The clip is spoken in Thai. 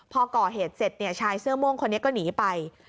พอก่อเหตุเสร็จชายเสื้อม่วงคนนี้ก็หนีไป